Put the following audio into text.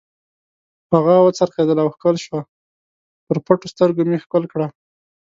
هغه و څرخېدله او ښکل شوه، پر پټو سترګو مې ښکل کړه.